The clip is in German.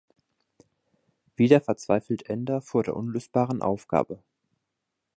Wieder verzweifelt Ender vor der unlösbaren Aufgabe.